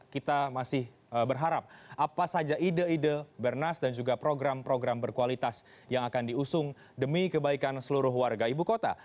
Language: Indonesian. kita masih berharap apa saja ide ide bernas dan juga program program berkualitas yang akan diusung demi kebaikan seluruh warga ibu kota